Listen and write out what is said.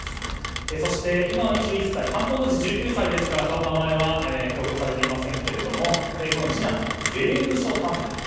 そして今２１歳犯行当時１９歳ですから名前は公表されていませんが次男、税務署担当。